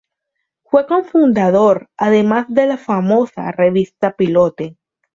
Fue cofundador además de la famosa revista Pilote.